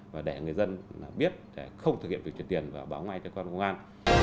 và để người dân biết không thực hiện việc chuyển tiền và báo ngay cho cơ quan công an